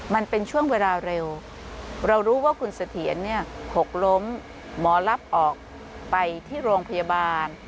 มันเป็นช่วงเวลาเร็วเรารู้ว่าคุณเสถียรเนี่ยหกล้มหมอรับออกไปที่โรงพยาบาล